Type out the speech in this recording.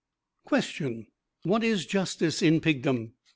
"Question, What is justice in Pigdom?